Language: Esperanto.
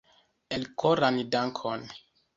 Elkoran dankon